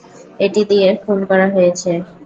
এটা দিয়ে খুন করা হয়েছে।